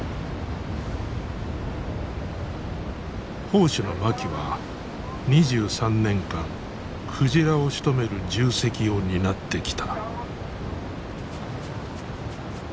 砲手の槇は２３年間鯨をしとめる重責を担ってきた。